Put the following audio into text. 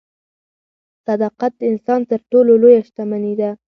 صداقت د انسان تر ټولو لویه شتمني ده.